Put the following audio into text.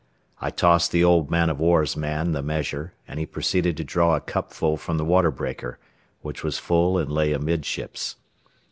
I tossed the old man o' war's man the measure, and he proceeded to draw a cupful from the water breaker, which was full and lay amidships.